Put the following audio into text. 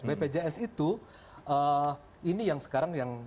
bpjs itu ini yang sekarang yang